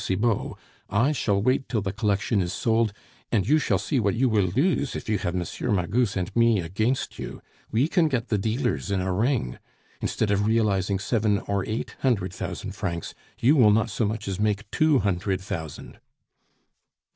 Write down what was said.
Cibot, I shall wait till the collection is sold, and you shall see what you will lose if you have M. Magus and me against you; we can get the dealers in a ring. Instead of realizing seven or eight hundred thousand francs, you will not so much as make two hundred thousand."